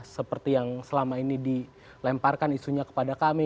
seperti yang selama ini dilemparkan isunya kepada kami